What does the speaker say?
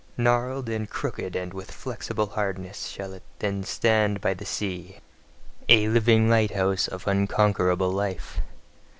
Gnarled and crooked and with flexible hardness shall it then stand by the sea, a living lighthouse of unconquerable life.